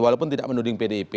walaupun tidak menduding pdip